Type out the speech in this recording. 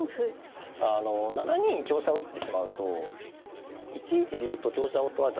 あの７二に香車を打ってしまうと１一竜と香車を取られた時にですね